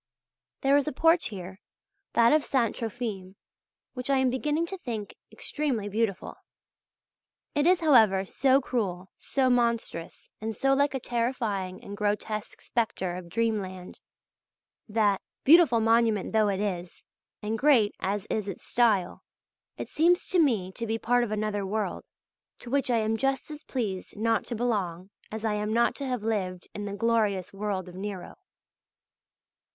There is a porch here that of St. Trophime which I am beginning to think extremely beautiful. It is, however, so cruel, so monstrous, and so like a terrifying and grotesque spectre of dreamland, that, beautiful monument though it is, and great as is its style, it seems to me to be part of another world, to which I am just as pleased not to belong as I am not to have lived in the glorious world of Nero.